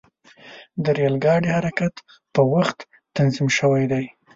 د ریل ګاډي حرکت په وخت تنظیم شوی دی.